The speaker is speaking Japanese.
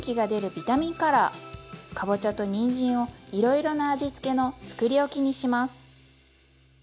かぼちゃとにんじんをいろいろな味付けのつくりおきにします。